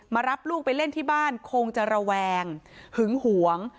รับลูกไปเล่นที่บ้านคงจะระแวงหึงหวง